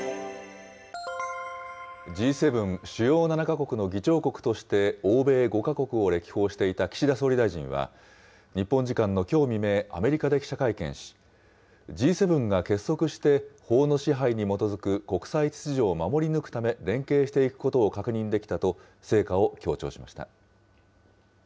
Ｇ７・主要７か国の議長国として、欧米５か国を歴訪していた岸田総理大臣は、日本時間のきょう未明、アメリカで記者会見し、Ｇ７が結束して法の支配に基づく国際秩序を守り抜くため、連携していくことを確認できたと、成果を強調しました。